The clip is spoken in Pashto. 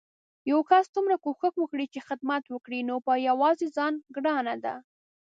يو کس څومره کوښښ وکړي چې خدمت وکړي نو په يوازې ځان ګرانه ده